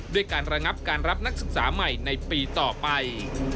ด้วยการระงับการรับนักศึกษาใหม่ในปีต่อไป